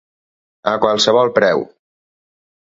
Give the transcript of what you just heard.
A qualsevol preu.